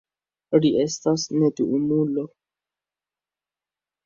Ri estas neduumulo.